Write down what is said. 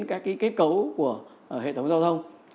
cái kết cấu của hệ thống giao thông